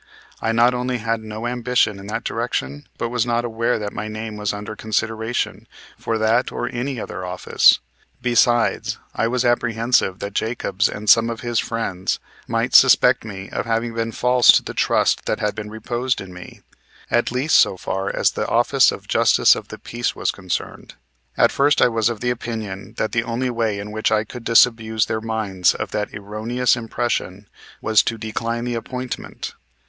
I not only had no ambition in that direction but was not aware that my name was under consideration for that or for any other office. Besides, I was apprehensive that Jacobs and some of his friends might suspect me of having been false to the trust that had been reposed in me, at least so far as the office of Justice of the Peace was concerned. At first I was of the opinion that the only way in which I could disabuse their minds of that erroneous impression was to decline the appointment.